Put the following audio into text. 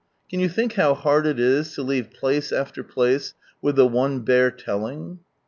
Can you think how hard it is to leave place after place with the one bare telling?